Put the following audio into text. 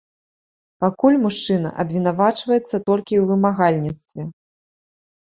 Пакуль мужчына абвінавачваецца толькі ў вымагальніцтве.